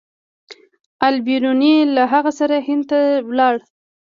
البیروني له هغه سره هند ته لاړ.